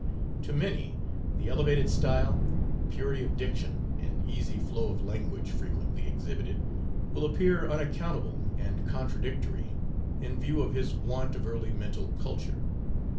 To many, the elevated style, purity of diction, and easy flow of language, frequently exhibited, will appear unaccountable and contradictory, in view of his want of early mental culture.